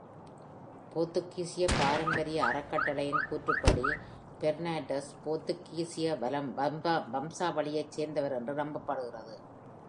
போர்த்துகீசிய பாரம்பரிய அறக்கட்டளையின் கூற்றுப்படி, பெர்னாண்டஸ் போர்த்துகீசிய வம்சாவளியைச் சேர்ந்தவர் என்று நம்பப்படுகிறது.